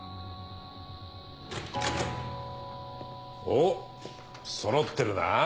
おっそろってるな。